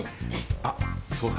あっそうだ。